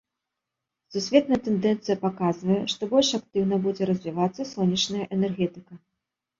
Сусветная тэндэнцыя паказвае, што больш актыўна будзе развівацца сонечная энергетыка.